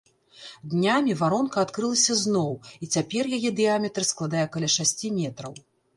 Днямі варонка адкрылася зноў і цяпер яе дыяметр складае каля шасці метраў.